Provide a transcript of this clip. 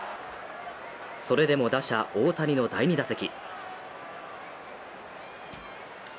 それでも打者大谷の第２打席。